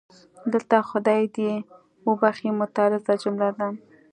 دلته خدای دې یې وبښي معترضه جمله ده.